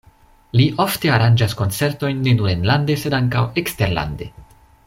Li ofte aranĝas koncertojn ne nur enlande, sed ankaŭ eksterlande.